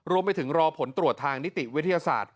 รวมไปถึงรอผลตรวจทางนิติวิทยาศาสตร์